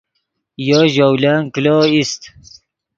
یو ژولن کلو ایست